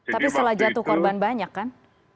tapi setelah jatuh korban banyak kan